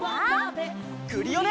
クリオネ！